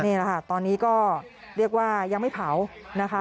นี่แหละค่ะตอนนี้ก็เรียกว่ายังไม่เผานะคะ